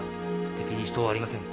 敵にしとうありません。